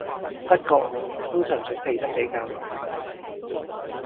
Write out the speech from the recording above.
不過我通常準備得比較耐